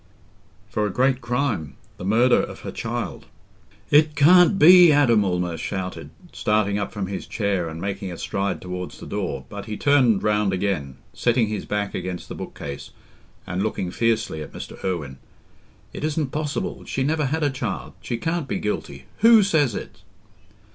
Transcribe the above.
"For a great crime—the murder of her child." "It can't be!" Adam almost shouted, starting up from his chair and making a stride towards the door; but he turned round again, setting his back against the bookcase, and looking fiercely at Mr. Irwine. "It isn't possible. She never had a child. She can't be guilty. Who says it?"